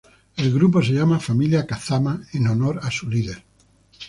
El grupo se llama "Familia Kazama", en honor a su líder.